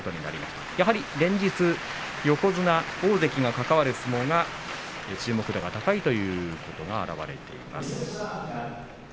やはり連日、横綱、大関が関わる相撲が注目度が高いということが表れています。